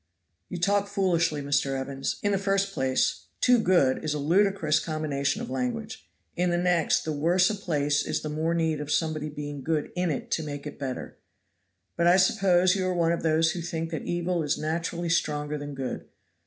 "You talk foolishly, Mr. Evans. In the first place, 'too good' is a ludicrous combination of language, in the next the worse a place is the more need of somebody being good in it to make it better. But I suppose you are one of those who think that evil is naturally stronger than good.